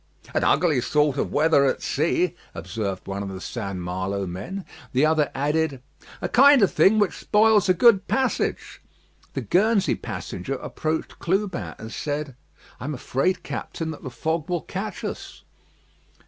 "An ugly sort of weather at sea," observed one of the St. Malo men. The other added: "A kind of thing which spoils a good passage." The Guernsey passenger approached Clubin, and said: "I'm afraid, Captain, that the fog will catch us."